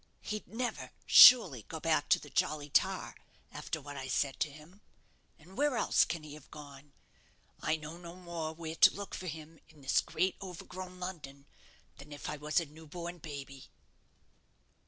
He'd never, surely, go back to the 'Jolly Tar', after what I said to him. And where else can he have gone? I know no more where to look for him in this great overgrown London than if I was a new born baby."